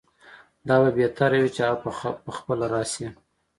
دا به بهتره وي چې هغه پخپله راشي.